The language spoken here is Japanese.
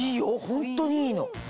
ホントにいいの。